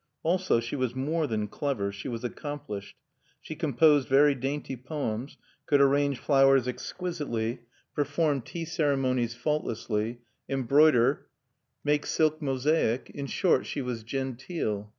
Also she was more than clever: she was accomplished. She composed very dainty poems, could arrange flowers exquisitely, perform tea ceremonies faultlessly, embroider, make silk mosaic: in short, she was genteel.